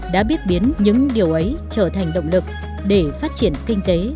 đã biết biến những điều ấy trở thành động lực để phát triển kinh tế